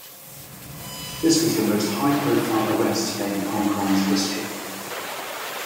This was the most high-profile arrest made in Hong Kong's history.